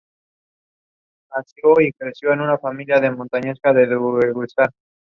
Esto es crítico debido al gran número de interferencias que provocaría la magnetosfera.